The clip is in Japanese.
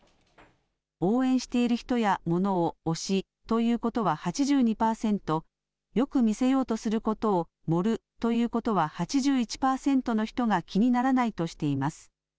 応援している人やものを推しと言うことは８２％、よく見せようとすることを盛ると言うことは８１％の人が気にならないとしています。